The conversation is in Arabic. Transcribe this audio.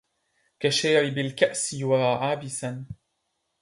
كشَارِب الكَأسِ يُرَى عابِساً